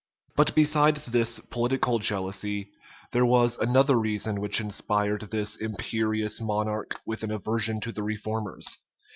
But besides this political jealousy, there was another reason which inspired this imperious monarch with an aversion to the reformers.